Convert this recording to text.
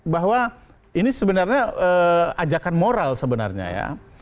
bahwa ini sebenarnya ajakan moral sebenarnya ya